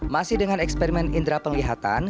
masih dengan eksperimen indera penglihatan